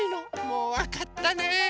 もうわかったね。